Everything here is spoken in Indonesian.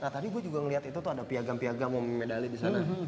nah tadi gue juga ngelihat itu tuh ada piagam piagam mau memedali di sana